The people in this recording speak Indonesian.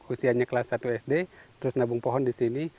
usianya kelas satu sd terus nabung pohon di sini